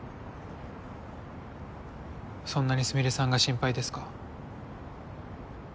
そんなにスミレさんが心配ですか？